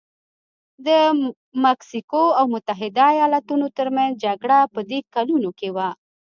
د مکسیکو او متحده ایالتونو ترمنځ جګړه په دې کلونو کې وه.